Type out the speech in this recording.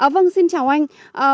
vâng xin chào anh